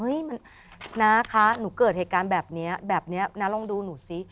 เห้ยณาค้าหนูเกิดเหตุการณ์แบบนี้นางลองดูหนูซิ